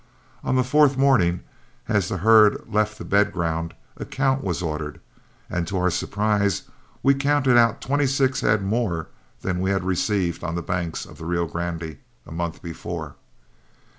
On the fourth morning, as the herd left the bed ground, a count was ordered, and to our surprise we counted out twenty six head more than we had received on the banks of the Rio Grande a month before.